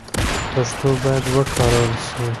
پښتو باید وکارول سي.